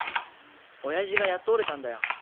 親父がやっと折れたんだよ